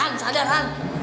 han han sadar han